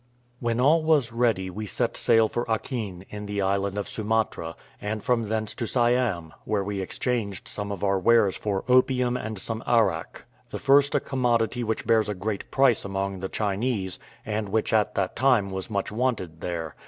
When all was ready we set sail for Achin, in the island of Sumatra, and from thence to Siam, where we exchanged some of our wares for opium and some arrack; the first a commodity which bears a great price among the Chinese, and which at that time was much wanted there.